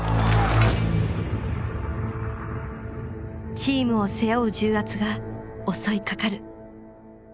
チームを背負う重圧が襲いかかる。